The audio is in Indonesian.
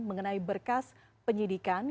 mengenai berkas penyidikan